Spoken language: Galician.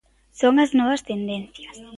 Son as novas tendencias.